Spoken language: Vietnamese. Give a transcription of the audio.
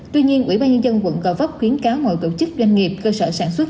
tuy nhiên ủy ban nhân dân quận gò vấp khuyến cáo mọi tổ chức doanh nghiệp cơ sở sản xuất